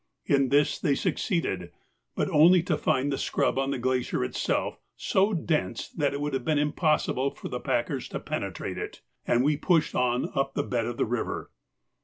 In this they succeeded, but only to find the scrub on the glacier itself so dense that it would have been impossible for the packers to penetrate it, and we pushed on up the bed of the river.